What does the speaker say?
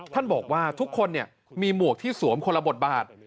ท่านบอกว่าทุกคนมีหมวกที่สวมคนละบทบาท